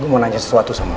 gue mau nanya sesuatu sama lo